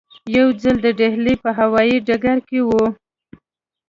یو ځل د ډیلي په هوایي ډګر کې وو.